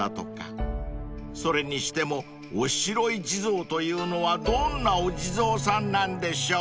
［それにしてもおしろい地蔵というのはどんなお地蔵さんなんでしょう？］